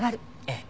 ええ。